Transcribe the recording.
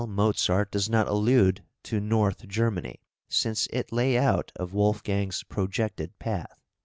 Mozart does not allude to North Germany, since it lay out of Wolfgang's projected path.